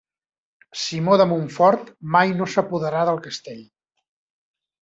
Simó de Montfort mai no s'apoderà del castell.